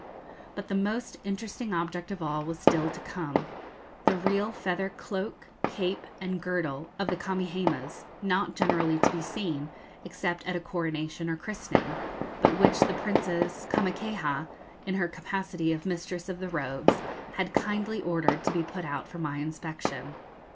But the most interesting object of all was still to come the real feather cloak, cape, and girdle of the Kamehamehas, not generally to be seen, except at a coronation or christening, but which the Princess Kamakaeha, in her capacity of Mistress of the Robes, had kindly ordered to be put out for my inspection.